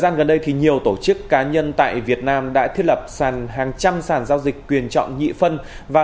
nhiều tổ chức cá nhân tại việt nam đã thiết lập hàng trăm sàn giao dịch quyền chọn nhị phân và